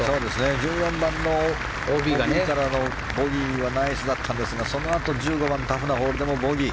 １４番のＯＢからのボギーはナイスだったんですがそのあと、１５番タフなホールでもボギー。